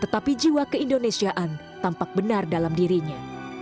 tetapi jiwa keindonesiaan tampak benar dalam dirinya